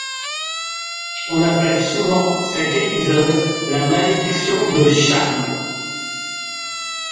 On appelle souvent cet épisode la Malédiction de Cham.